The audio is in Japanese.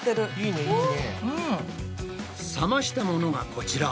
冷ましたものがこちら。